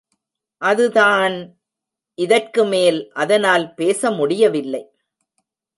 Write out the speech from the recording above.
அது தான்...... இதற்கு மேல் அதனால் பேச முடியவில்லை.